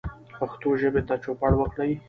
پښتو ژبې ته چوپړ وکړئ